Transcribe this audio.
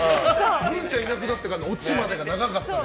グンちゃんいなくなってからのオチまで長かった。